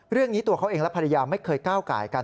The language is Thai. เรื่องนี้ตัวเขาเองและภรรยาไม่เคยก้าวไก่กัน